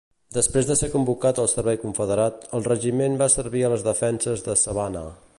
Després de ser convocat al servei confederat, el regiment va servir a les defenses de Savannah.